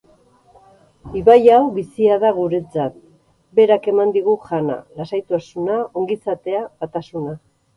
Ibai hau bizia da guretzat; berak eman digu jana, lasaitasuna, ongizatea, batasuna.